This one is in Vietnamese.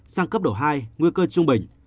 sang cấp độ hai nguy cơ trung bình